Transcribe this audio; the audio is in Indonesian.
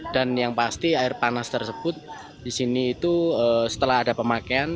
dan yang pasti air panas tersebut disini itu setelah ada pemakaian